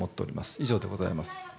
以上でございます。